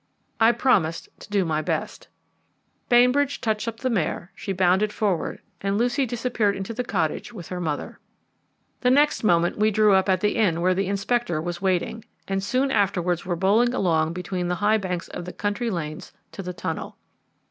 I promised to do my best. Bainbridge touched up the mare, she bounded forward, and Lucy disappeared into the cottage with her mother. The next moment we drew up at the inn where the Inspector was waiting, and soon afterwards were bowling along between the high banks of the country lanes to the tunnel.